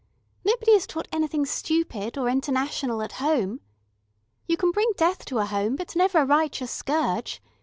Nobody is taught anything stupid or international at home. You can bring death to a home, but never a righteous scourge.